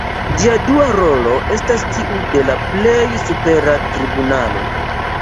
Ĝia dua rolo estas tiu de la plej supera tribunalo.